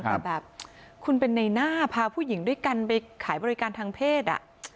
แต่แบบคุณเป็นในหน้าพาผู้หญิงด้วยกันไปขายบริการทางเพศ